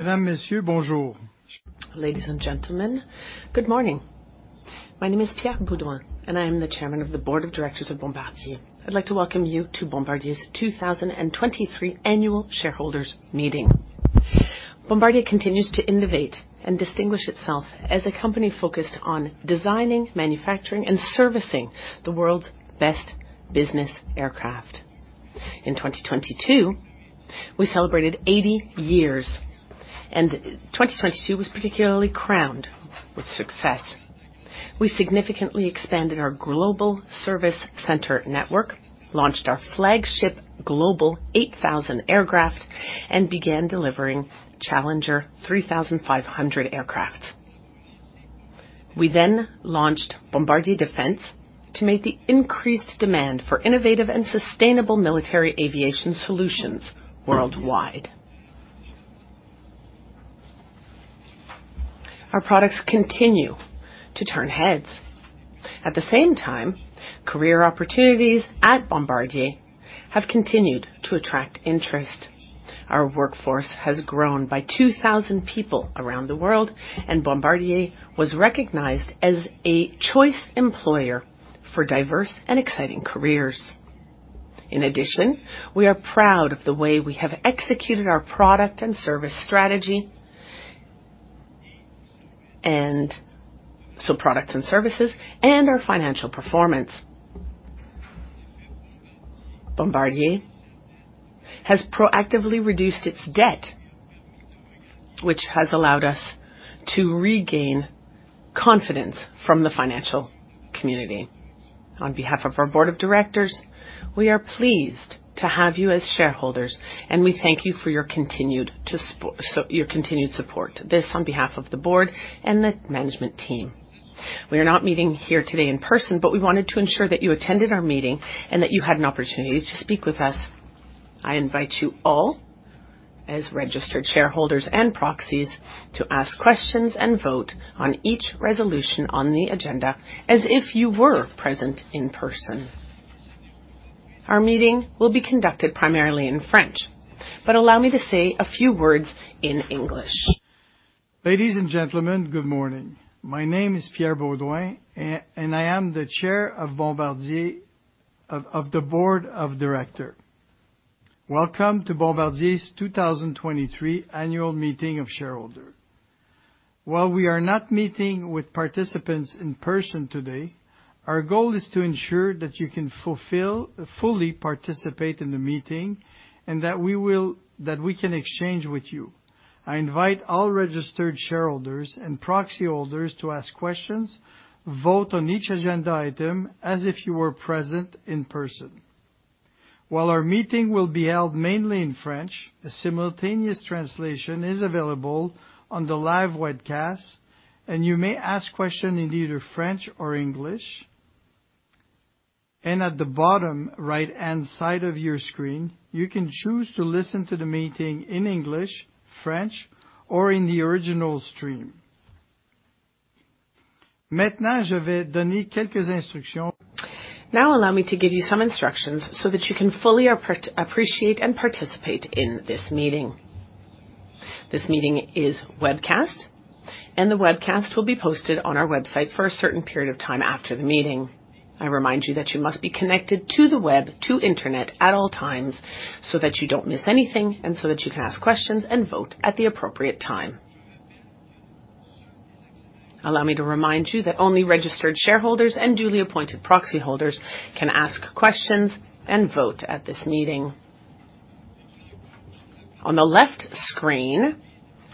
Mesdames Messieurs, bonjour. Ladies and gentlemen, good morning. My name is Pierre Beaudoin, and I am the Chairman of the Board of Directors of Bombardier. I'd like to welcome you to Bombardier's 2023 Annual Shareholders Meeting. Bombardier continues to innovate and distinguish itself as a company focused on designing, manufacturing, and servicing the world's best business aircraft. In 2022, we celebrated 80 years, and 2022 was particularly crowned with success. We significantly expanded our global service center network, launched our Flagship Global 8000 aircraft, and began delivering Challenger 3500 aircraft. We launched Bombardier Defense to meet the increased demand for innovative and sustainable military aviation solutions worldwide. Our products continue to turn heads. At the same time, career opportunities at Bombardier have continued to attract interest. Our workforce has grown by 2,000 people around the world, and Bombardier was recognized as a choice employer for diverse and exciting careers. In addition, we are proud of the way we have executed our product and service strategy, products and services and our financial performance. Bombardier has proactively reduced its debt, which has allowed us to regain confidence from the financial community. On behalf of our board of directors, we are pleased to have you as shareholders, and we thank you for your continued support. This on behalf of the board and the management team. We are not meeting here today in person, but we wanted to ensure that you attended our meeting and that you had an opportunity to speak with us. I invite you all as registered shareholders and proxies to ask questions and vote on each resolution on the agenda as if you were present in person. Our meeting will be conducted primarily in French. Allow me to say a few words in English. Ladies and gentlemen, good morning. My name is Pierre Beaudoin, and I am the Chair of Bombardier, of the Board of Directors. Welcome to Bombardier's 2023 Annual Meeting of Shareholders. While we are not meeting with participants in person today, our goal is to ensure that you can fully participate in the meeting and that we can exchange with you. I invite all registered shareholders and proxy holders to ask questions, vote on each agenda item as if you were present in person. While our meeting will be held mainly in French, a simultaneous translation is available on the live webcast, and you may ask questions in either French or English. At the bottom right-hand side of your screen, you can choose to listen to the meeting in English, French, or in the original stream. Maintenant, je vais donner quelques instructions. Allow me to give you some instructions so that you can fully appreciate and participate in this meeting. This meeting is webcast, and the webcast will be posted on our website for a certain period of time after the meeting. I remind you that you must be connected to the internet at all times so that you don't miss anything and so that you can ask questions and vote at the appropriate time. Allow me to remind you that only registered shareholders and duly appointed proxy holders can ask questions and vote at this meeting. On the left screen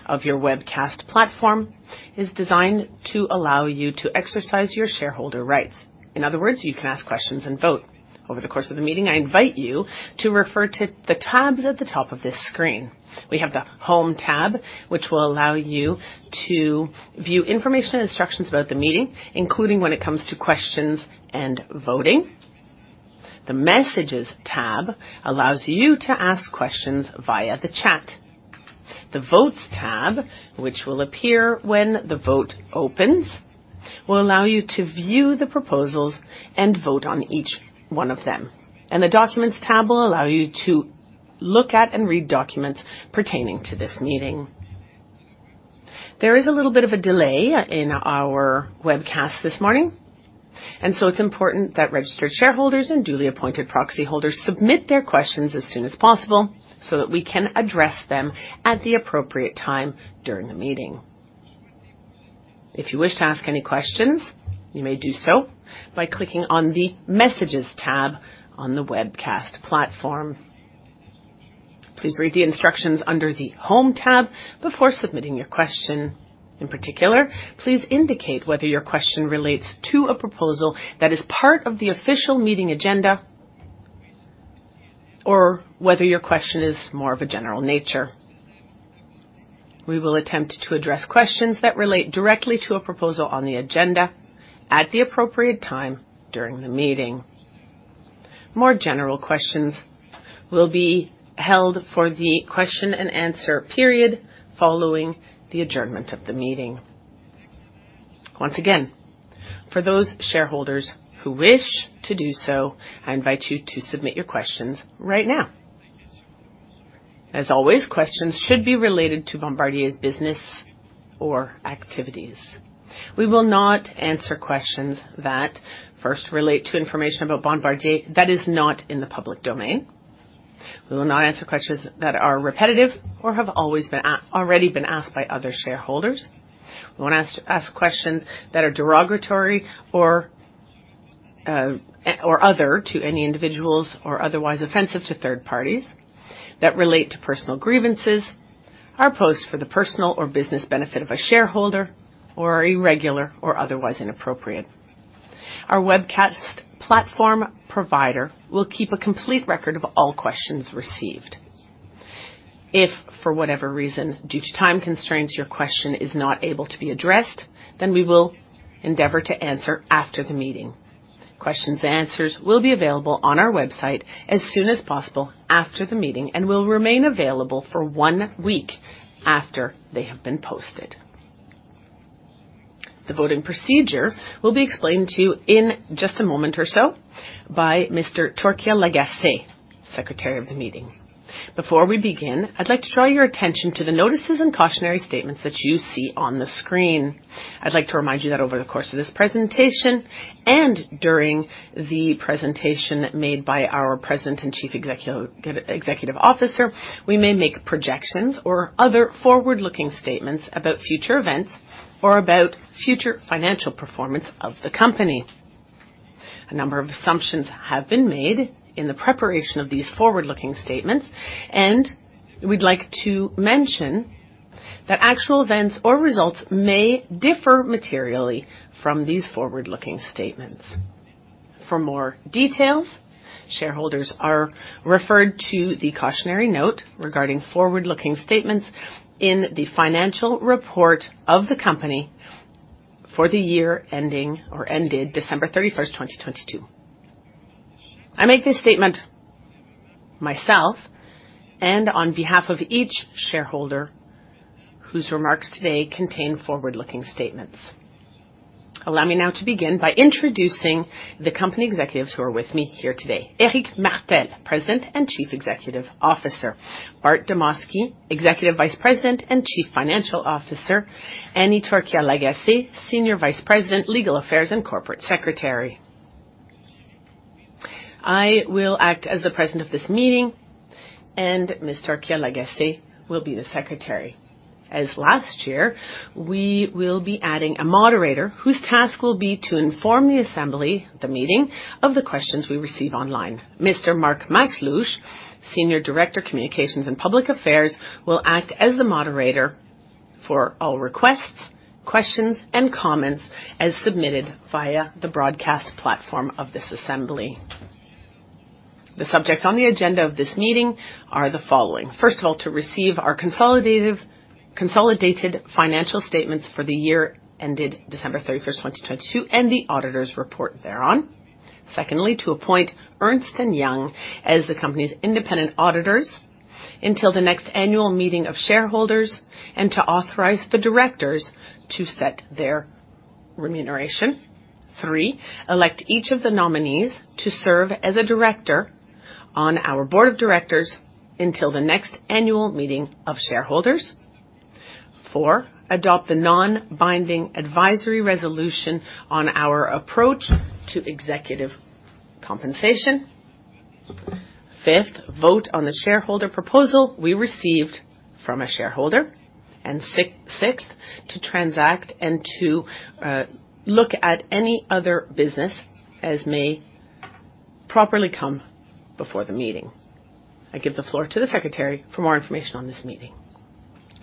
of your webcast platform is designed to allow you to exercise your shareholder rights. In other words, you can ask questions and vote. Over the course of the meeting, I invite you to refer to the tabs at the top of this screen. We have the Home tab, which will allow you to view information and instructions about the meeting, including when it comes to questions and voting. The Messages tab allows you to ask questions via the chat. The Votes tab, which will appear when the vote opens, will allow you to view the proposals and vote on each one of them. The Documents tab will allow you to look at and read documents pertaining to this meeting. There is a little bit of a delay in our webcast this morning, and so it's important that registered shareholders and duly appointed proxy holders submit their questions as soon as possible so that we can address them at the appropriate time during the meeting. If you wish to ask any questions, you may do so by clicking on the Messages tab on the webcast platform. Please read the instructions under the Home tab before submitting your question. In particular, please indicate whether your question relates to a proposal that is part of the official meeting agenda or whether your question is more of a general nature. We will attempt to address questions that relate directly to a proposal on the agenda at the appropriate time during the meeting. More general questions will be held for the question and answer period following the adjournment of the meeting. For those shareholders who wish to do so, I invite you to submit your questions right now. As always, questions should be related to Bombardier's business or activities. We will not answer questions that first relate to information about Bombardier that is not in the public domain. We will not answer questions that are repetitive or have already been asked by other shareholders. We won't ask questions that are derogatory or other to any individuals or otherwise offensive to third parties, that relate to personal grievances, are posed for the personal or business benefit of a shareholder, or are irregular or otherwise inappropriate. Our webcast platform provider will keep a complete record of all questions received. If, for whatever reason, due to time constraints, your question is not able to be addressed, we will endeavor to answer after the meeting. Questions and answers will be available on our website as soon as possible after the meeting and will remain available for one week after they have been posted. The voting procedure will be explained to you in just a moment or so by Mr. Torkia Lagacé, Secretary of the meeting. Before we begin, I'd like to draw your attention to the notices and cautionary statements that you see on the screen. I'd like to remind you that over the course of this presentation and during the presentation made by our President and Chief Executive Officer, we may make projections or other forward-looking statements about future events or about future financial performance of the company. A number of assumptions have been made in the preparation of these forward-looking statements. We'd like to mention that actual events or results may differ materially from these forward-looking statements. For more details, shareholders are referred to the cautionary note regarding forward-looking statements in the financial report of the company for the year ending or ended December 31st, 2022. I make this statement myself and on behalf of each shareholder whose remarks today contain forward-looking statements. Allow me now to begin by introducing the company executives who are with me here today. Éric Martel, President and Chief Executive Officer. Bart Demosky, Executive Vice President and Chief Financial Officer. Annie Torkia Lagacé, Senior Vice President, Legal Affairs, and Corporate Secretary. I will act as the president of this meeting, and Ms. Torkia Lagacé will be the secretary. As last year, we will be adding a moderator whose task will be to inform the assembly, the meeting, of the questions we receive online. Mr. Mark Masluch, Senior Director, Communications and Public Affairs, will act as the moderator for all requests, questions, and comments as submitted via the broadcast platform of this assembly. The subjects on the agenda of this meeting are the following. First of all, to receive our consolidated financial statements for the year ended December 31st, 2022, and the auditor's report thereon. Secondly, to appoint Ernst & Young as the company's independent auditors until the next annual meeting of shareholders and to authorize the directors to set their remuneration. Three, elect each of the nominees to serve as a director on our board of directors until the next annual meeting of shareholders. Four, adopt the non-binding advisory resolution on our approach to executive compensation. Fifth, vote on the shareholder proposal we received from a shareholder. Sixth, to transact and to look at any other business as may properly come before the meeting. I give the floor to the secretary for more information on this meeting.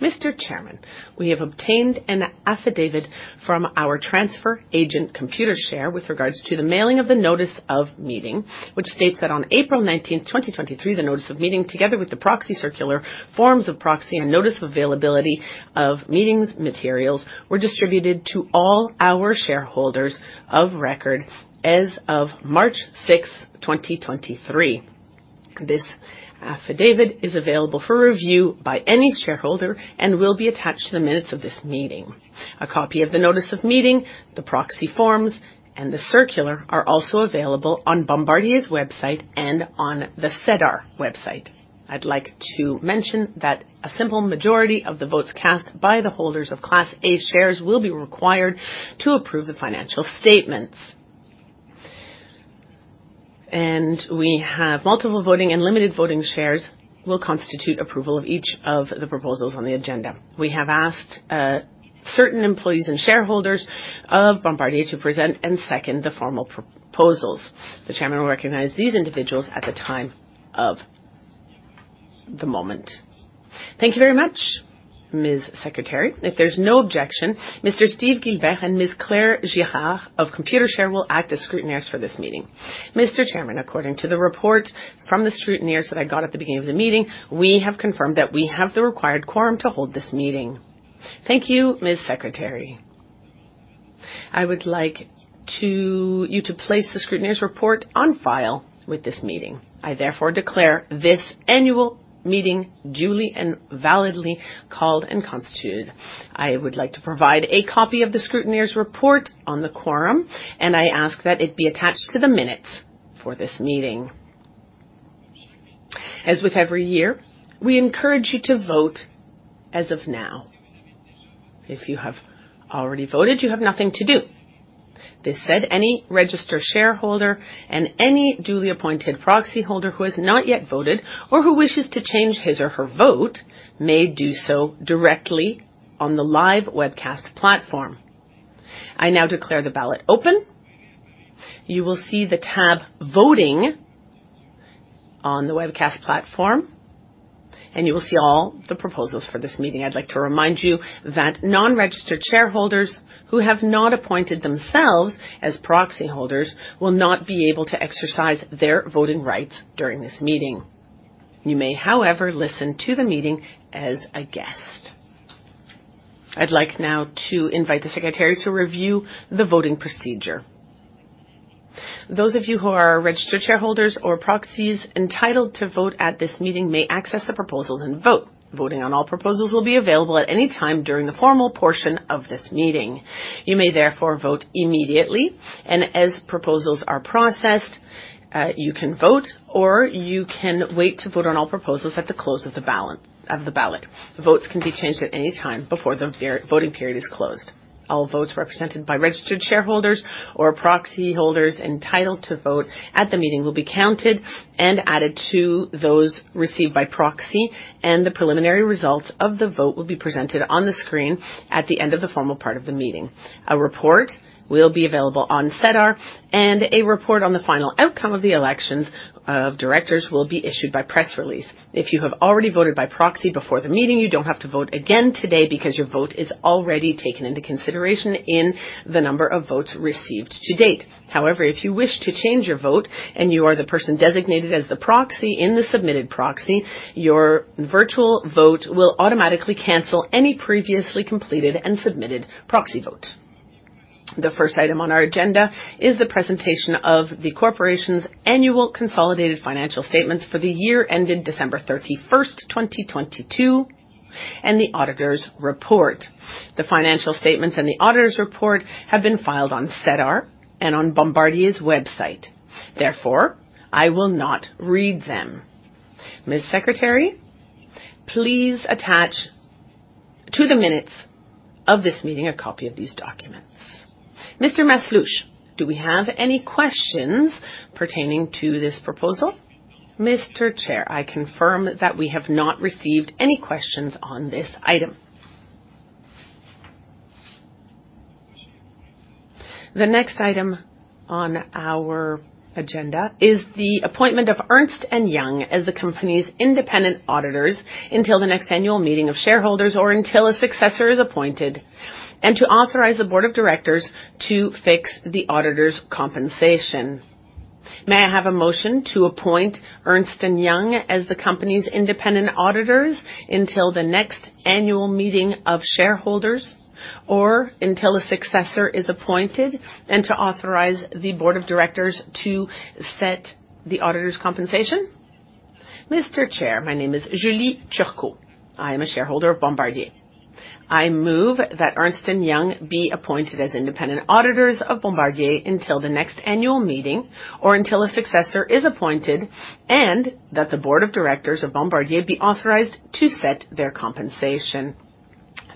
Mr. Chairman, we have obtained an affidavit from our transfer agent, Computershare, with regards to the mailing of the notice of meeting, which states that on April 19th, 2023, the notice of meeting, together with the proxy circular, forms of proxy, and notice of availability of meetings materials were distributed to all our shareholders of record as of March 6th, 2023. This affidavit is available for review by any shareholder and will be attached to the minutes of this meeting. A copy of the notice of meeting, the proxy forms, and the circular are also available on Bombardier's website and on the SEDAR website. I'd like to mention that a simple majority of the votes cast by the holders of Class A shares will be required to approve the financial statements. We have multiple voting and limited voting shares will constitute approval of each of the proposals on the agenda. We have asked certain employees and shareholders of Bombardier to present and second the formal proposals. The Chairman will recognize these individuals at the time of the moment. Thank you very much, Ms. Secretary. If there's no objection, Mr. Steve Guilbert and Ms. Claire Girard of Computershare will act as scrutineers for this meeting. Mr. Chairman, according to the report from the scrutineers that I got at the beginning of the meeting, we have confirmed that we have the required quorum to hold this meeting. Thank you, Ms. Secretary. I would like you to place the scrutineer's report on file with this meeting. I therefore declare this annual meeting duly and validly called and constituted. I would like to provide a copy of the scrutineer's report on the quorum, and I ask that it be attached to the minutes for this meeting. As with every year, we encourage you to vote as of now. If you have already voted, you have nothing to do. This said, any registered shareholder and any duly appointed proxy holder who has not yet voted or who wishes to change his or her vote may do so directly on the live webcast platform. I now declare the ballot open. You will see the tab Voting on the webcast platform, and you will see all the proposals for this meeting. I'd like to remind you that non-registered shareholders who have not appointed themselves as proxy holders will not be able to exercise their voting rights during this meeting. You may, however, listen to the meeting as a guest. I'd like now to invite the secretary to review the voting procedure. Those of you who are registered shareholders or proxies entitled to vote at this meeting may access the proposals and vote. Voting on all proposals will be available at any time during the formal portion of this meeting. You may therefore vote immediately and as proposals are processed, you can vote or you can wait to vote on all proposals at the close of the ballot. Votes can be changed at any time before the voting period is closed. All votes represented by registered shareholders or proxy holders entitled to vote at the meeting will be counted and added to those received by proxy, and the preliminary results of the vote will be presented on the screen at the end of the formal part of the meeting. A report will be available on SEDAR, and a report on the final outcome of the elections of directors will be issued by press release. If you have already voted by proxy before the meeting, you don't have to vote again today because your vote is already taken into consideration in the number of votes received to date. However, if you wish to change your vote and you are the person designated as the proxy in the submitted proxy, your virtual vote will automatically cancel any previously completed and submitted proxy votes. The first item on our agenda is the presentation of the corporation's annual consolidated financial statements for the year ended December 31st, 2022, and the auditor's report. The financial statements and the auditor's report have been filed on SEDAR and on Bombardier's website. Therefore, I will not read them. Ms. Secretary, please attach to the minutes of this meeting a copy of these documents. Mr. Masluch, do we have any questions pertaining to this proposal? Mr. Chair, I confirm that we have not received any questions on this item. The next item on our agenda is the appointment of Ernst & Young as the company's independent auditors until the next annual meeting of shareholders or until a successor is appointed, and to authorize the board of directors to fix the auditor's compensation. May I have a motion to appoint Ernst & Young as the company's independent auditors until the next annual meeting of shareholders or until a successor is appointed, and to authorize the board of directors to set the auditor's compensation? Mr. Chair, my name is Julie Turcot. I am a shareholder of Bombardier. I move that Ernst & Young be appointed as independent auditors of Bombardier until the next annual meeting or until a successor is appointed, and that the board of directors of Bombardier be authorized to set their compensation.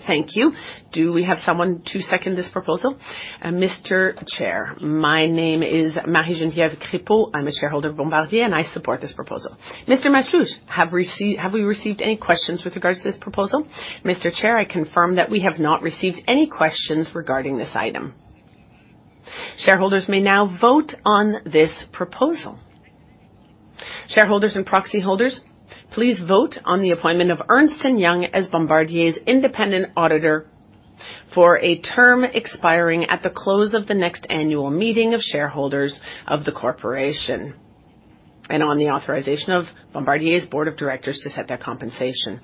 Thank you. Do we have someone to second this proposal? Mr. Chair, my name is Marie-Geneviève Crépeau. I'm a shareholder of Bombardier, and I support this proposal. Mr. Masluch, have we received any questions with regards to this proposal? Mr. Chair, I confirm that we have not received any questions regarding this item. Shareholders may now vote on this proposal. Shareholders and proxy holders, please vote on the appointment of Ernst & Young as Bombardier's independent auditor for a term expiring at the close of the next annual meeting of shareholders of the corporation, and on the authorization of Bombardier's board of directors to set their compensation.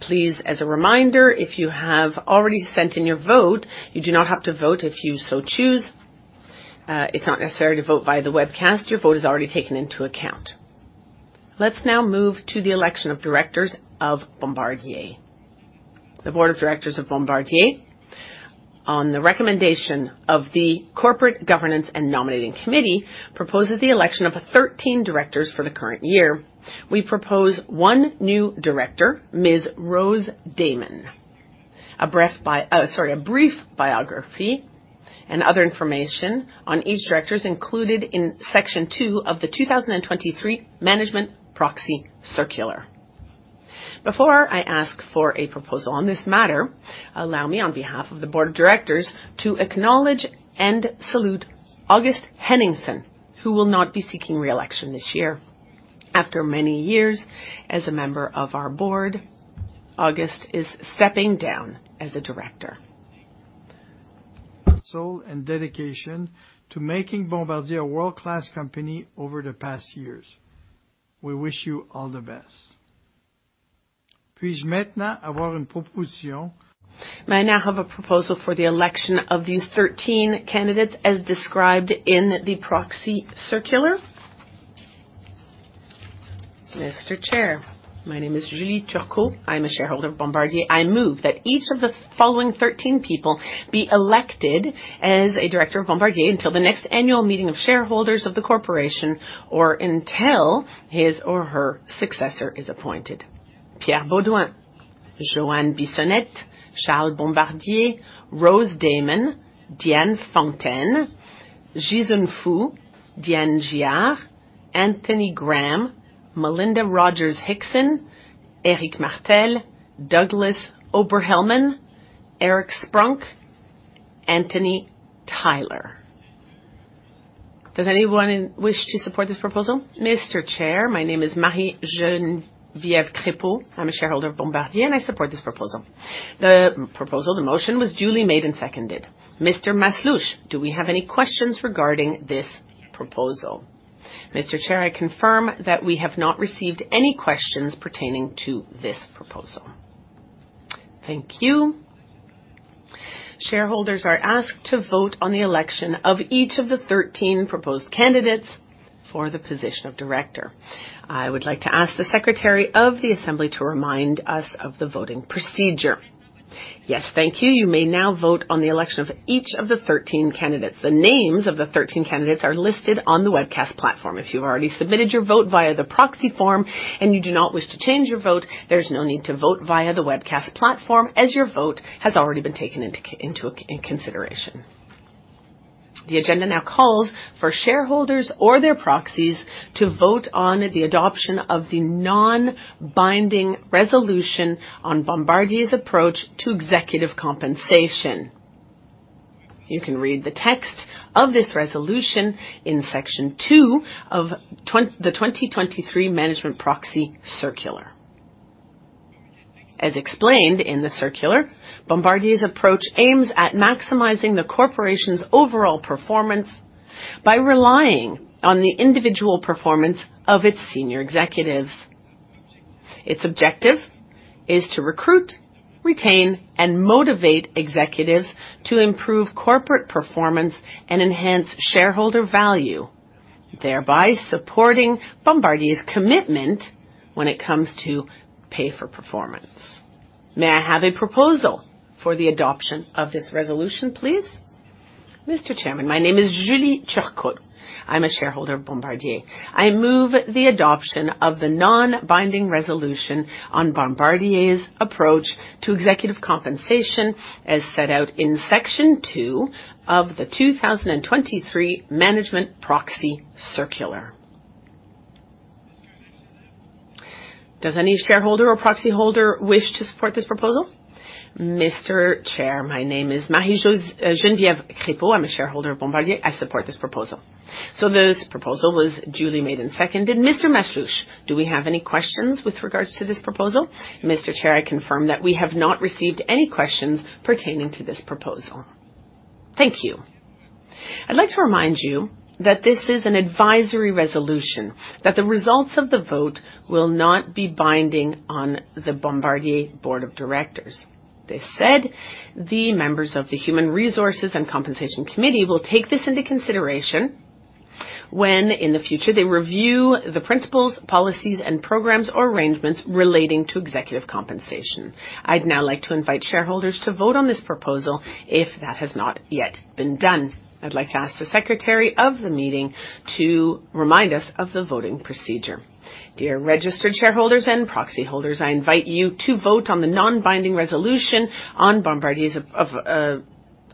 Please, as a reminder, if you have already sent in your vote, you do not have to vote if you so choose. It's not necessary to vote via the webcast. Your vote is already taken into account. Let's now move to the election of directors of Bombardier. The board of directors of Bombardier, on the recommendation of the Corporate Governance and Nominating Committee, proposes the election of 13 directors for the current year. We propose one new director, Ms. Rose Damen. Sorry, a brief biography and other information on each director is included in section two of the 2023 management proxy circular. Before I ask for a proposal on this matter, allow me, on behalf of the board of directors, to acknowledge and salute August Henningsen, who will not be seeking re-election this year. After many years as a member of our board, August is stepping down as a director. Soul and dedication to making Bombardier a world-class company over the past years. We wish you all the best. May I now have a proposal for the election of these 13 candidates as described in the proxy circular? Mr. Chair, my name is Julie Turcot. I'm a shareholder of Bombardier. I move that each of the following 13 people be elected as a director of Bombardier until the next annual meeting of shareholders of the corporation, or until his or her successor is appointed. Pierre Beaudoin, Joanne Bissonnette, Charles Bombardier, Rose Damen, Diane Fontaine, Ji-Xun Fu, Diane Giard, Anthony Graham, Melinda Rogers-Hixon, Éric Martel, Douglas Oberhelman, Eric Sprunk, Anthony Tyler. Does anyone wish to support this proposal? Mr. Chair, my name is Marie-Geneviève Crépeau. I'm a shareholder of Bombardier, and I support this proposal. The motion was duly made and seconded. Mr. Masluch, do we have any questions regarding this proposal? Mr. Chair, I confirm that we have not received any questions pertaining to this proposal. Thank you. Shareholders are asked to vote on the election of each of the 13 proposed candidates for the position of director. I would like to ask the secretary of the assembly to remind us of the voting procedure. Yes, thank you. You may now vote on the election of each of the 13 candidates. The names of the 13 candidates are listed on the webcast platform. If you've already submitted your vote via the proxy form and you do not wish to change your vote, there's no need to vote via the webcast platform, as your vote has already been taken into consideration. The agenda now calls for shareholders or their proxies to vote on the adoption of the non-binding resolution on Bombardier's approach to executive compensation. You can read the text of this resolution in section two of the 2023 Management Proxy Circular. As explained in the Circular, Bombardier's approach aims at maximizing the corporation's overall performance by relying on the individual performance of its senior executives. Its objective is to recruit, retain, and motivate executives to improve corporate performance and enhance shareholder value, thereby supporting Bombardier's commitment when it comes to pay for performance. May I have a proposal for the adoption of this resolution, please? Mr. Chairman, my name is Julie Turcot. I'm a shareholder of Bombardier. I move the adoption of the non-binding resolution on Bombardier's approach to executive compensation, as set out in section two of the 2023 Management Proxy Circular. Does any shareholder or proxy holder wish to support this proposal? Mr. Chair, my name is Marie-Geneviève Crépeau. I'm a shareholder of Bombardier. I support this proposal. This proposal was duly made and seconded. Mr. Masluch, do we have any questions with regards to this proposal? Mr. Chair, I confirm that we have not received any questions pertaining to this proposal. Thank you. I'd like to remind you that this is an advisory resolution. That the results of the vote will not be binding on the Bombardier board of directors. This said, the members of the human resources and Compensation Committee will take this into consideration when in the future they review the principles, policies, and programs or arrangements relating to executive compensation. I'd now like to invite shareholders to vote on this proposal if that has not yet been done. I'd like to ask the secretary of the meeting to remind us of the voting procedure. Dear registered shareholders and proxy holders, I invite you to vote on the non-binding resolution on Bombardier's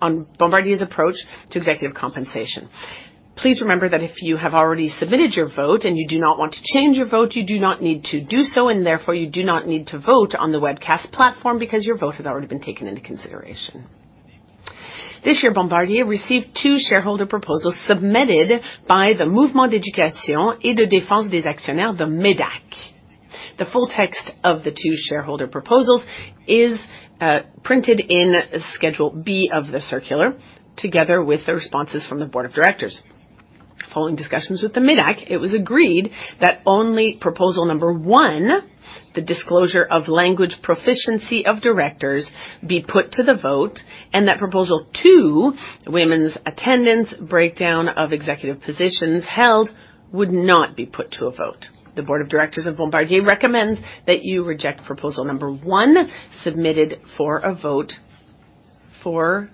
on Bombardier's approach to executive compensation. Please remember that if you have already submitted your vote and you do not want to change your vote, you do not need to do so, and therefore you do not need to vote on the webcast platform because your vote has already been taken into consideration. This year, Bombardier received two shareholder proposals submitted by the Mouvement d'éducation et de défense des actionnaires, the MÉDAC. The full text of the two shareholder proposals is printed in Schedule B of the circular, together with the responses from the board of directors. Following discussions with the MÉDAC, it was agreed that only proposal number one, the disclosure of language proficiency of directors, be put to the vote, and that proposal two, women's attendance breakdown of executive positions held, would not be put to a vote. The board of directors of Bombardier recommends that you reject proposal number one, submitted for a vote for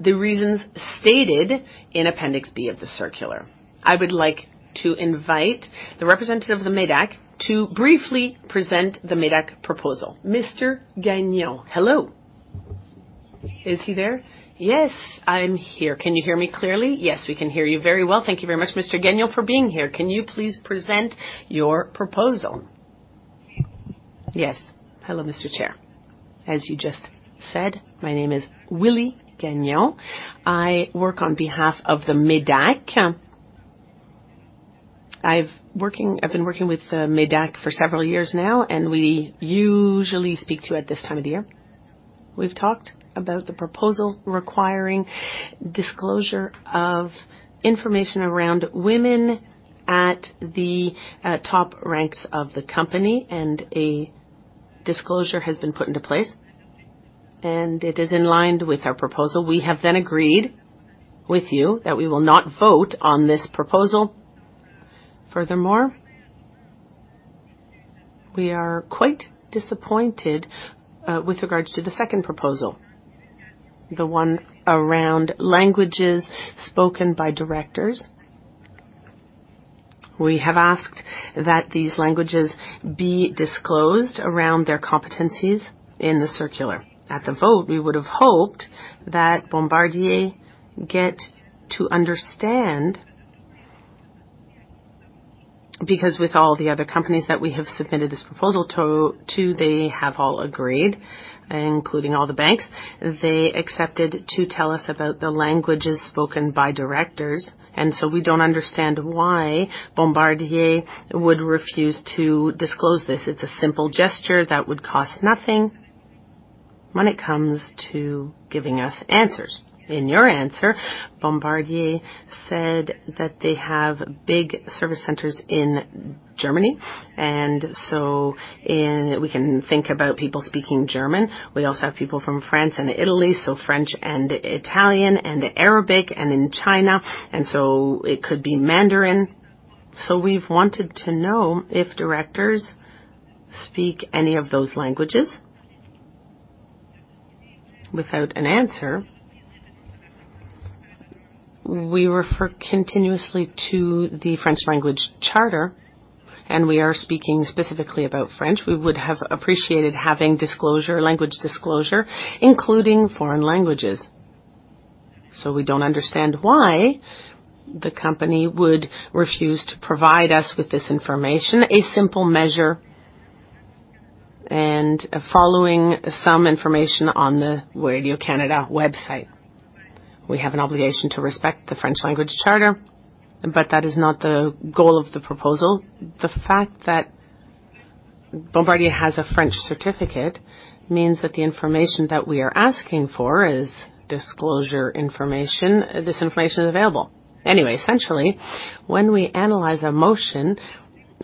the reasons stated in Appendix B of the circular. I would like to invite the representative of the MÉDAC to briefly present the MÉDAC proposal. Mr. Gagnon. Hello. Is he there? Yes, I'm here. Can you hear me clearly? Yes, we can hear you very well. Thank you very much, Mr. Gagnon, for being here. Can you please present your proposal? Yes. Hello, Mr. Chair. As you just said, my name is Willie Gagnon. I work on behalf of the MÉDAC. I've working. I've been working with the MÉDAC for several years now. We usually speak to you at this time of the year. We've talked about the proposal requiring disclosure of information around women at the top ranks of the company. A disclosure has been put into place, and it is in line with our proposal. We have then agreed with you that we will not vote on this proposal. Furthermore, we are quite disappointed with regards to the second proposal, the one around languages spoken by directors. We have asked that these languages be disclosed around their competencies in the circular. At the vote, we would have hoped that Bombardier get to understand, because with all the other companies that we have submitted this proposal to, they have all agreed, including all the banks. They accepted to tell us about the languages spoken by directors, and so we don't understand why Bombardier would refuse to disclose this. It's a simple gesture that would cost nothing when it comes to giving us answers. In your answer, Bombardier said that they have big service centers in Germany. We can think about people speaking German. We also have people from France and Italy, so French and Italian and Arabic and in China, and so it could be Mandarin. We've wanted to know if directors speak any of those languages. Without an answer, we refer continuously to the French Language Charter, and we are speaking specifically about French. We would have appreciated having disclosure, language disclosure, including foreign languages. We don't understand why the company would refuse to provide us with this information. A simple measure, following some information on the Radio-Canada website. We have an obligation to respect the Charter of the French Language, that is not the goal of the proposal. The fact that Bombardier has a French certificate means that the information that we are asking for is disclosure information. This information is available. Essentially, when we analyze a motion,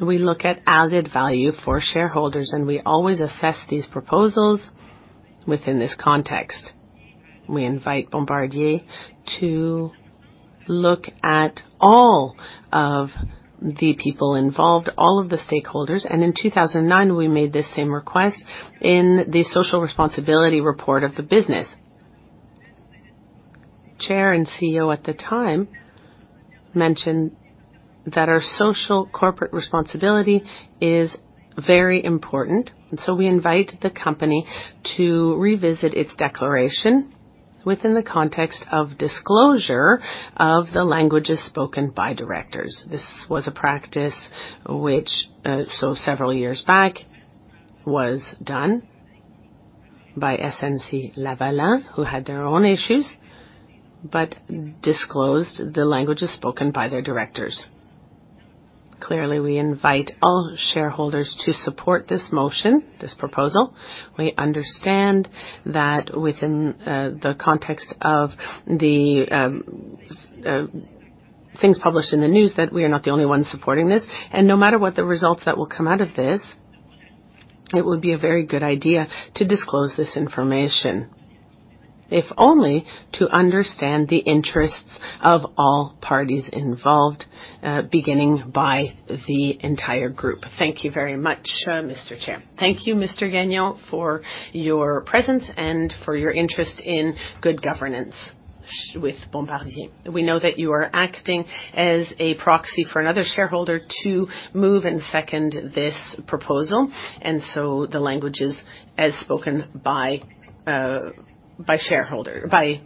we look at added value for shareholders, we always assess these proposals within this context. We invite Bombardier to look at all of the people involved, all of the stakeholders. In 2009, we made the same request in the social responsibility report of the business. Chair and CEO at the time mentioned that our social corporate responsibility is very important. We invite the company to revisit its declaration within the context of disclosure of the languages spoken by directors. This was a practice which several years back, was done by SNC-Lavalin, who had their own issues, but disclosed the languages spoken by their directors. Clearly, we invite all shareholders to support this motion, this proposal. We understand that within the context of the things published in the news that we are not the only ones supporting this. No matter what the results that will come out of this, it would be a very good idea to disclose this information, if only to understand the interests of all parties involved, beginning by the entire group. Thank you very much, Mr. Chair. Thank you, Mr. Gagnon, for your presence and for your interest in good governance with Bombardier. We know that you are acting as a proxy for another shareholder to move and second this proposal, the languages as spoken by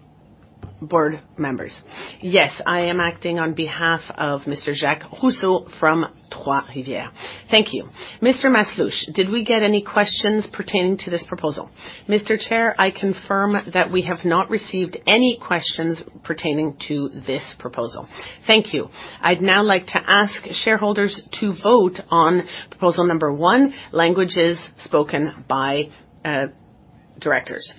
board members. Yes, I am acting on behalf of Mr. Jacques Roussel from Trois-Rivières. Thank you. Mr. Masluch, did we get any questions pertaining to this proposal? Mr. Chair, I confirm that we have not received any questions pertaining to this proposal. Thank you. I'd now like to ask shareholders to vote on proposal number one, languages spoken by directors.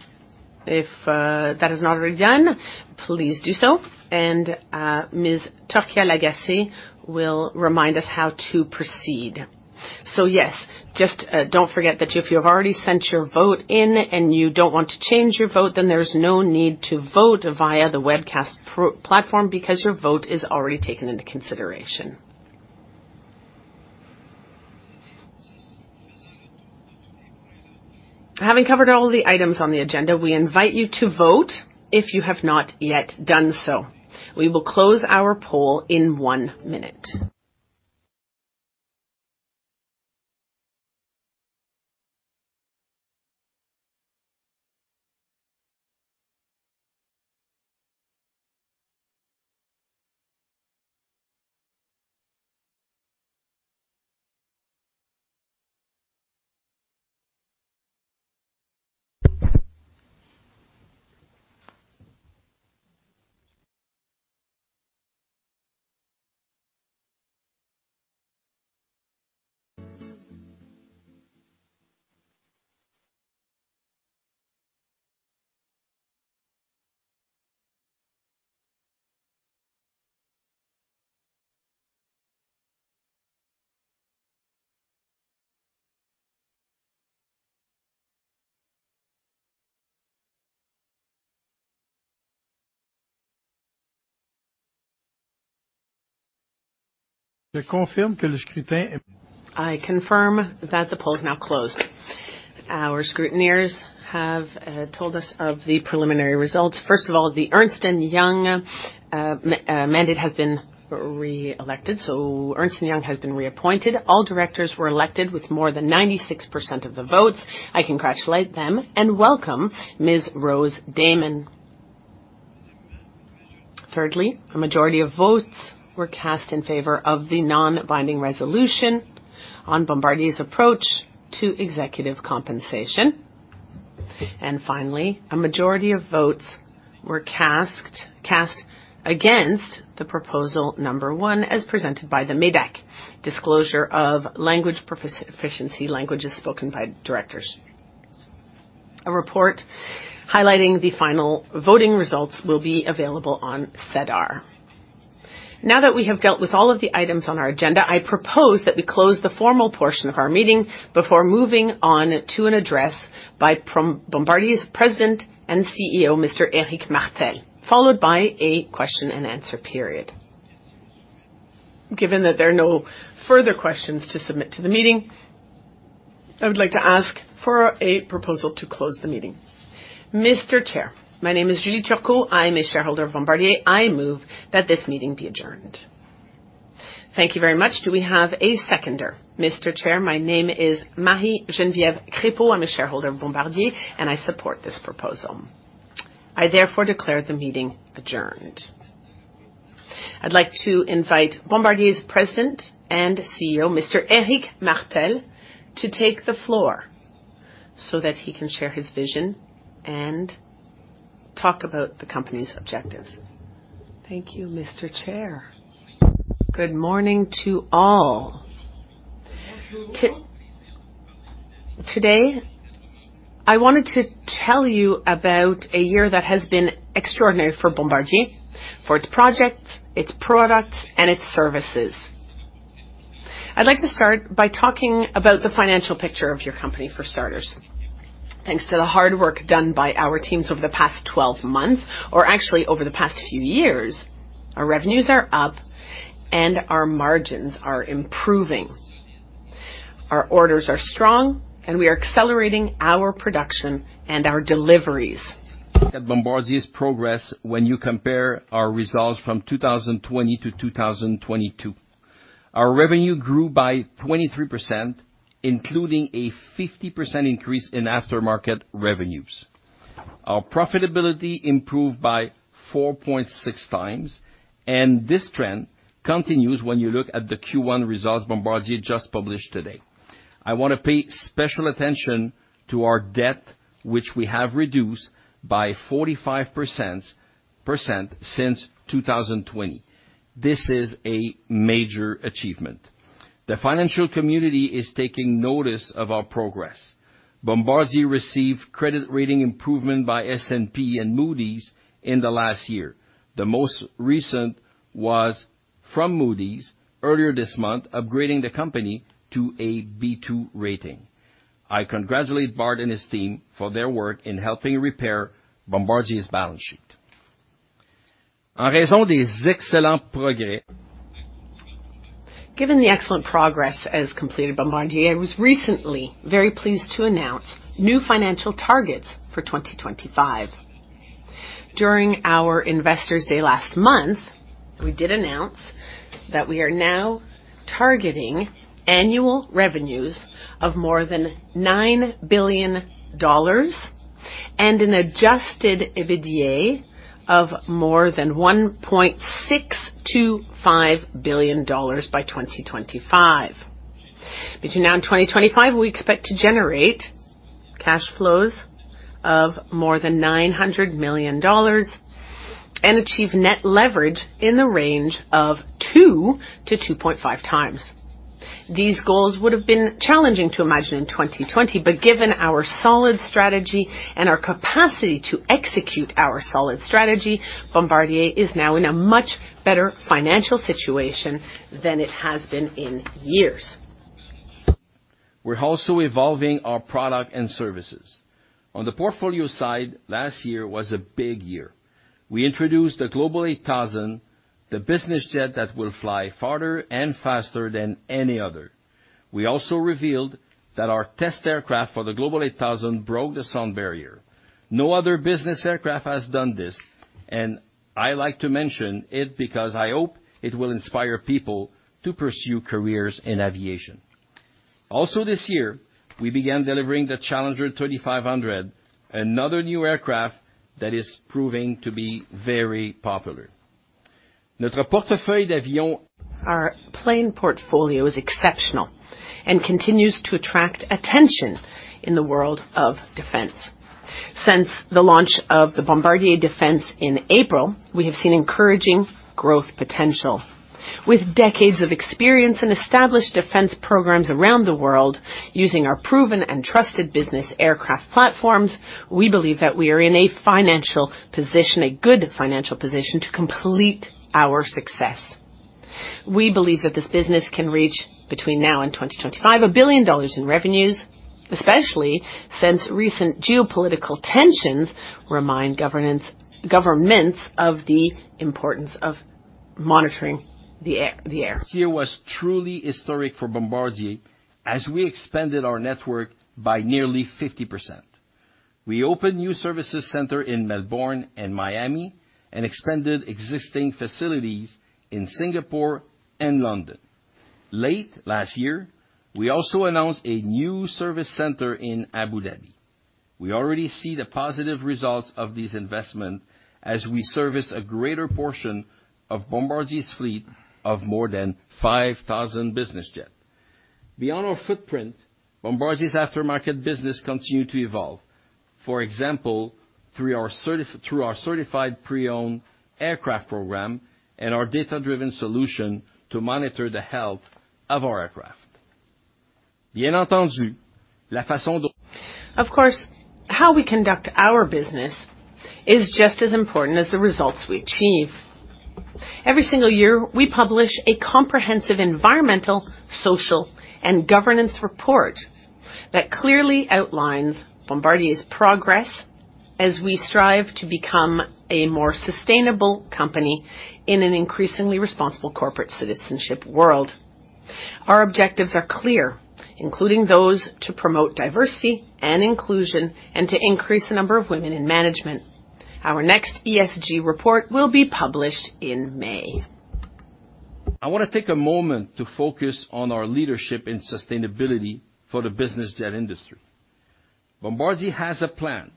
If that is not already done, please do so. Ms. Torkia Lagacé will remind us how to proceed. Yes, just, don't forget that if you have already sent your vote in and you don't want to change your vote, there's no need to vote via the webcast platform because your vote is already taken into consideration. Having covered all the items on the agenda, we invite you to vote if you have not yet done so. We will close our poll in one minute. I confirm that the poll is now closed. Our scrutineers have told us of the preliminary results. First of all, the Ernst & Young mandate has been re-elected, so Ernst & Young has been reappointed. All directors were elected with more than 96% of the votes. I congratulate them and welcome Ms. Rose Damen. Thirdly, a majority of votes were cast in favor of the non-binding resolution on Bombardier's approach to executive compensation. Finally, a majority of votes were cast against the proposal number one as presented by the MÉDAC, Disclosure of Language Proficiency Languages Spoken by Directors. A report highlighting the final voting results will be available on SEDAR. Now that we have dealt with all of the items on our agenda, I propose that we close the formal portion of our meeting before moving on to an address by Bombardier's President and CEO, Mr. Éric Martel, followed by a question-and-answer period. Given that there are no further questions to submit to the meeting, I would like to ask for a proposal to close the meeting. Mr. Chair, my name is Julie Turcot. I am a shareholder of Bombardier. I move that this meeting be adjourned. Thank you very much. Do we have a seconder? Mr. Chair, my name is Marie-Geneviève Crépeau. I'm a shareholder of Bombardier. I support this proposal. I therefore declare the meeting adjourned. I'd like to invite Bombardier's President and CEO, Mr. Éric Martel, to take the floor so that he can share his vision and talk about the company's objectives. Thank you, Mr. Chair. Good morning to all. Today, I wanted to tell you about a year that has been extraordinary for Bombardier, for its projects, its products, and its services. I'd like to start by talking about the financial picture of your company for starters. Thanks to the hard work done by our teams over the past 12 months, or actually over the past few years, our revenues are up, and our margins are improving. Our orders are strong, and we are accelerating our production and our deliveries. At Bombardier's progress, when you compare our results from 2020 to 2022. Our revenue grew by 23%, including a 50% increase in aftermarket revenues. Our profitability improved by 4.6 times, and this trend continues when you look at the Q1 results Bombardier just published today. I wanna pay special attention to our debt, which we have reduced by 45% since 2020. This is a major achievement. The financial community is taking notice of our progress. Bombardier received credit rating improvement by S&P and Moody's in the last year. The most recent was from Moody's earlier this month, upgrading the company to a B2 rating. I congratulate Bart and his team for their work in helping repair Bombardier's balance sheet. Given the excellent progress as completed Bombardier, I was recently very pleased to announce new financial targets for 2025. During our Investor Day last month, we did announce that we are now targeting annual revenues of more than $9 billion and an adjusted EBITDA of more than $1.625 billion by 2025. Between now and 2025, we expect to generate cash flows of more than $900 million and achieve net leverage in the range of 2.0x-2.5x. These goals would have been challenging to imagine in 2020, Given our solid strategy and our capacity to execute our solid strategy, Bombardier is now in a much better financial situation than it has been in years. We're also evolving our product and services. On the portfolio side, last year was a big year. We introduced the Global 8000, the business jet that will fly farther and faster than any other. We also revealed that our test aircraft for the Global 8000 broke the sound barrier. No other business aircraft has done this, I like to mention it because I hope it will inspire people to pursue careers in aviation. Also this year, we began delivering the Challenger 3500, another new aircraft that is proving to be very popular. Our plane portfolio is exceptional and continues to attract attention in the world of defense. Since the launch of the Bombardier Defense in April, we have seen encouraging growth potential. With decades of experience and established defense programs around the world using our proven and trusted business aircraft platforms, we believe that we are in a financial position, a good financial position to complete our success. We believe that this business can reach between now and 2025, $1 billion in revenues, especially since recent geopolitical tensions remind governments of the importance of monitoring the air. Last year was truly historic for Bombardier as we expanded our network by nearly 50%. We opened new service center in Melbourne and Miami and expanded existing facilities in Singapore and London. Late last year, we also announced a new service center in Abu Dhabi. We already see the positive results of this investment as we service a greater portion of Bombardier's fleet of more than 5,000 business jets. Beyond our footprint, Bombardier's aftermarket business continue to evolve, for example, through our Certified Pre-Owned aircraft program and our data-driven solution to monitor the health of our aircraft. Of course, how we conduct our business is just as important as the results we achieve. Every single year, we publish a comprehensive environmental, social, and governance report that clearly outlines Bombardier's progress as we strive to become a more sustainable company in an increasingly responsible corporate citizenship world. Our objectives are clear, including those to promote diversity and inclusion and to increase the number of women in management. Our next ESG report will be published in May. I want to take a moment to focus on our leadership in sustainability for the business jet industry. Bombardier has a plan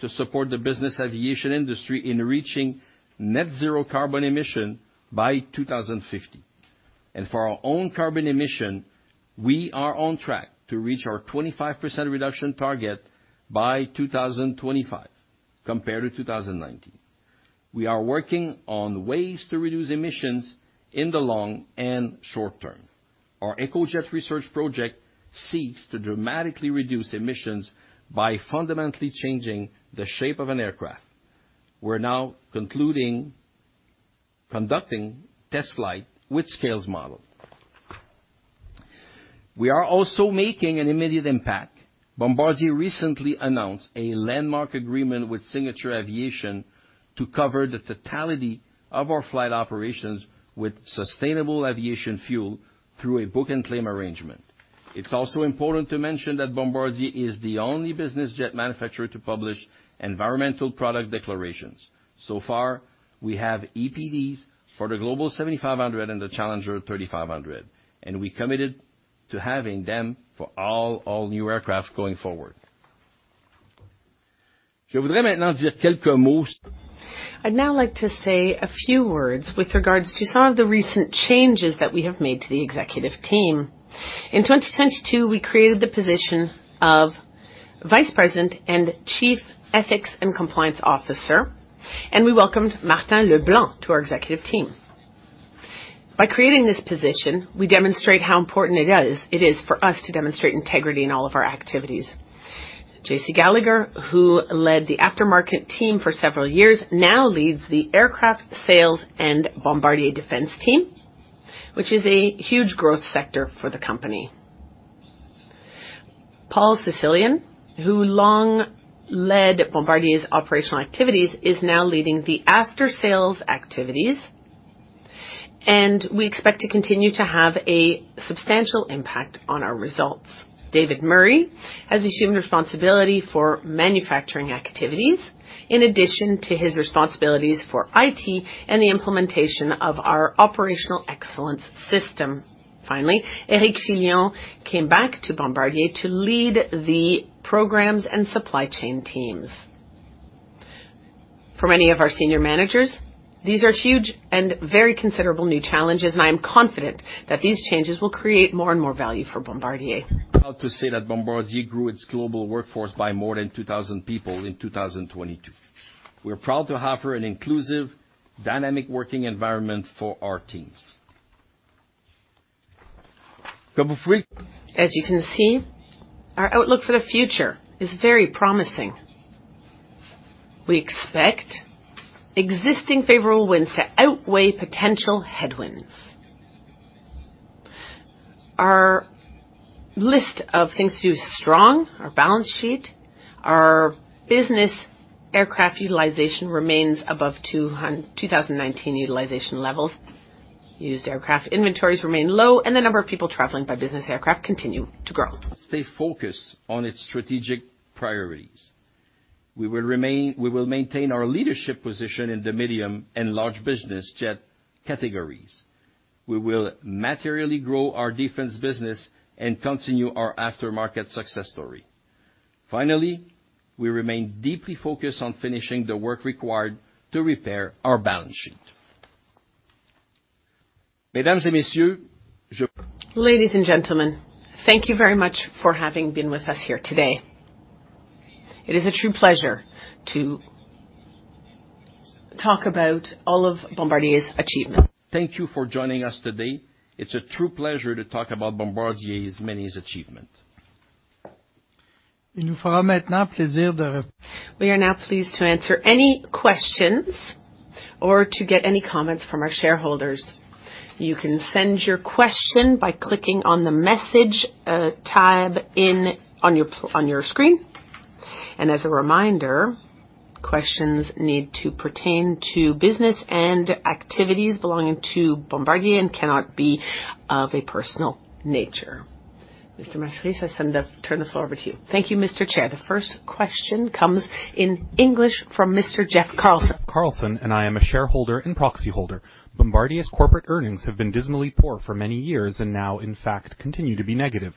to support the business aviation industry in reaching net zero carbon emissions by 2050. For our own carbon emission, we are on track to reach our 25% reduction target by 2025 compared to 2019. We are working on ways to reduce emissions in the long and short term. Our EcoJet research project seeks to dramatically reduce emissions by fundamentally changing the shape of an aircraft. We're now conducting test flight with scales model. We are also making an immediate impact. Bombardier recently announced a landmark agreement with Signature Aviation to cover the totality of our flight operations with sustainable aviation fuel through a book-and-claim arrangement. It's also important to mention that Bombardier is the only business jet manufacturer to publish Environmental Product Declarations. So far, we have EPDs for the Global 7500 and the Challenger 3500, and we committed to having them for all new aircraft going forward. I'd now like to say a few words with regards to some of the recent changes that we have made to the executive team. In 2022, we created the position of Vice President and Chief Ethics and Compliance Officer. We welcomed Martin LeBlanc to our executive team. By creating this position, we demonstrate how important it is for us to demonstrate integrity in all of our activities. Jean-Christophe Gallagher, who led the aftermarket team for several years, now leads the Aircraft Sales and Bombardier Defense team, which is a huge growth sector for the company. Paul Sislian, who long led Bombardier's operational activities, is now leading the after-sales activities. We expect to continue to have a substantial impact on our results. David Murray has assumed responsibility for manufacturing activities, in addition to his responsibilities for IT and the implementation of our operational excellence system. Finally, Éric Filion came back to Bombardier to lead the programs and supply chain teams. For many of our senior managers, these are huge and very considerable new challenges, and I'm confident that these changes will create more and more value for Bombardier. I'm proud to say that Bombardier grew its global workforce by more than 2,000 people in 2022. We're proud to offer an inclusive, dynamic working environment for our teams. As you can see, our outlook for the future is very promising. We expect existing favorable winds to outweigh potential headwinds. Our list of things to do is strong. Our balance sheet, our business aircraft utilization remains above 2019 utilization levels. Used aircraft inventories remain low, and the number of people traveling by business aircraft continue to grow. Must stay focused on its strategic priorities. We will maintain our leadership position in the medium and large business jet categories. We will materially grow our defense business and continue our aftermarket success story. Finally, we remain deeply focused on finishing the work required to repair our balance sheet. Ladies and gentlemen, thank you very much for having been with us here today. It is a true pleasure to talk about all of Bombardier's achievement. Thank you for joining us today. It's a true pleasure to talk about Bombardier's many achievement. We are now pleased to answer any questions or to get any comments from our shareholders. You can send your question by clicking on the Message tab on your screen. As a reminder, questions need to pertain to business and activities belonging to Bombardier and cannot be of a personal nature. Mr. Masluch, I turn this over to you. Thank you, Mr. Chair. The first question comes in English from Mr. Jeff Carlson. Carlson, and I am a shareholder and proxy holder. Bombardier's corporate earnings have been dismally poor for many years and now, in fact, continue to be negative.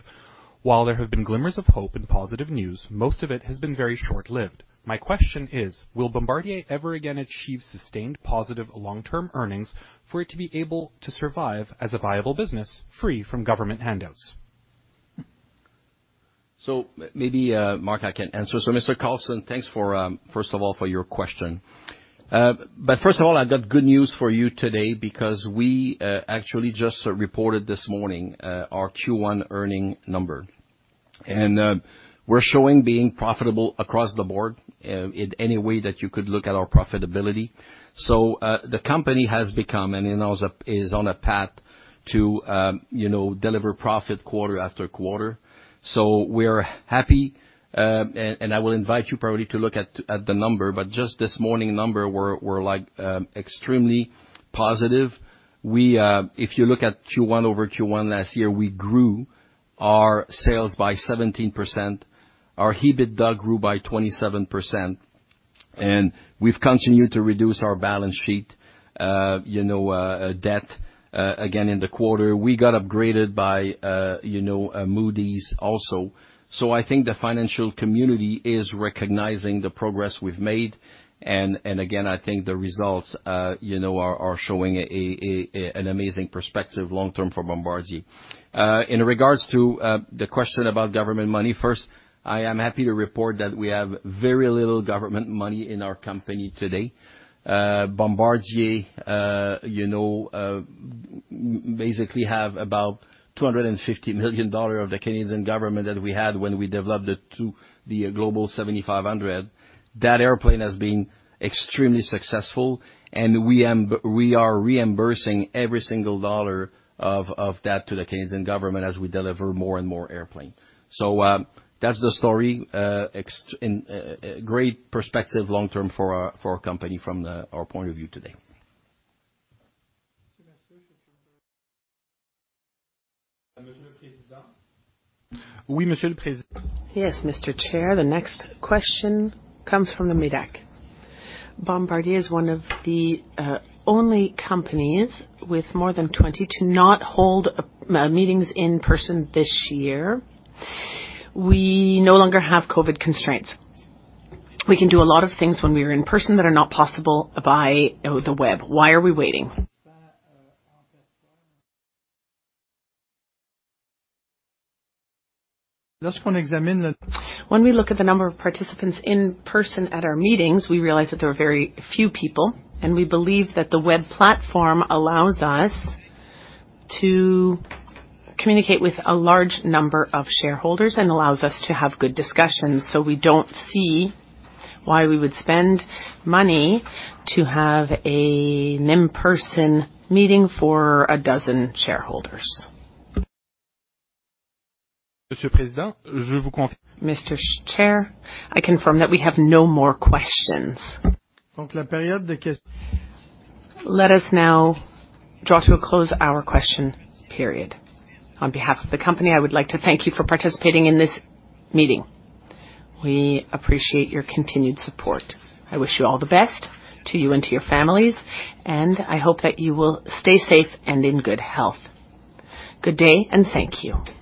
While there have been glimmers of hope and positive news, most of it has been very short-lived. My question is, will Bombardier ever again achieve sustained positive long-term earnings for it to be able to survive as a viable business, free from government handouts? Mark, I can answer. Mr. Carlson, thanks for first of all, for your question. First of all, I got good news for you today because we actually just reported this morning our Q1 earnings number. We're showing being profitable across the board in any way that you could look at our profitability. The company has become and is on a path to, you know, deliver profit quarter after quarter. We're happy, and I will invite you probably to look at the number, but just this morning number were, like, extremely positive. If you look at Q1 over Q1 last year, we grew our sales by 17%. Our EBITDA grew by 27%. We've continued to reduce our balance sheet, you know, debt again, in the quarter. We got upgraded by, you know, Moody's also. I think the financial community is recognizing the progress we've made. Again, I think the results, you know, are showing an amazing perspective long-term for Bombardier. In regards to the question about government money, first, I am happy to report that we have very little government money in our company today. Bombardier, you know, basically have about 250 million dollars of the Canadian government that we had when we developed it to the Global 7500. That airplane has been extremely successful, we are reimbursing every single dollar of that to the Canadian Government as we deliver more and more airplane. That's the story, in great perspective long-term for our company from our point of view today. Mr. Chair, the next question comes from MÉDAC. Bombardier is one of the only companies with more than 20 to not hold meetings in person this year. We no longer have COVID constraints. We can do a lot of things when we are in person that are not possible by, you know, the web. Why are we waiting? When we look at the number of participants in person at our meetings, we realize that there are very few people, and we believe that the web platform allows us to communicate with a large number of shareholders and allows us to have good discussions, so we don't see why we would spend money to have an in-person meeting for a dozen shareholders. Mr. Chair, I confirm that we have no more questions. Let us now draw to a close our question period. On behalf of the company, I would like to thank you for participating in this meeting. We appreciate your continued support. I wish you all the best to you and to your families, and I hope that you will stay safe and in good health. Good day, and thank you.